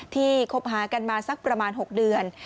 คบหากันมาสักประมาณ๖เดือน